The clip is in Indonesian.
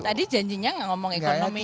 tadi janjinya gak ngomong ekonomi